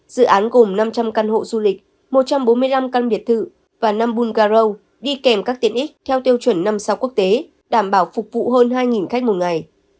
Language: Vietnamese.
dự án gồm năm trăm linh căn hộ du lịch một trăm bốn mươi năm căn biệt thự và năm bulgari đi kèm các tiện ích theo tiêu chuẩn năm sao quốc tế đảm bảo phục vụ hơn hai khách một ngày